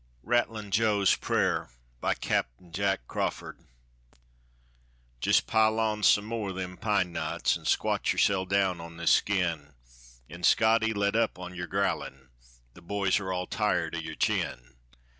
RATTLIN' JOE'S PRAYER. (By Capt. JACK CRAWFORD.) Jist pile on some more o' them pine knots, An' squat yoursel' down on this skin, An', Scotty, let up on yer growlin' The boys are all tired o' yer chin.